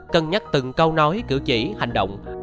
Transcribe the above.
cân nhắc từng câu nói cử chỉ hành động